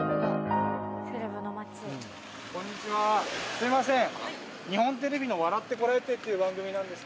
すいません。